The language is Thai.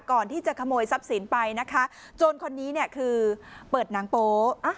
ก่อนที่จะขโมยทรัพย์สินไปนะคะโจรคนนี้เนี่ยคือเปิดหนังโป๊ะ